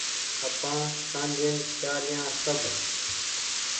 آپآن سآجين چآليا سب